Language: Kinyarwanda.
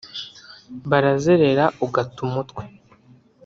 Barazerera ugata umutwe